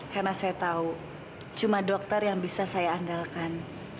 karena saya tahu cuma dokter yang bisa saya andalkan